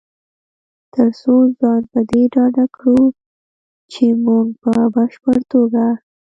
تر څو ځان په دې ډاډه کړو چې مونږ په بشپړ توګه